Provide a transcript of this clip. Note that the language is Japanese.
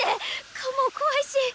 顔も怖いし。